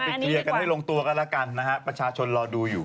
เคลียร์กันให้ลงตัวกันแล้วกันนะฮะประชาชนรอดูอยู่